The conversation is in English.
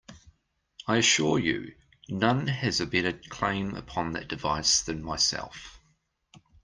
I assure you, none has a better claim upon that device than myself.